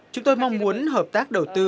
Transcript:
chúng tôi mong muốn hợp tác đầu tư